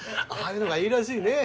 あいうのがいいらしいね。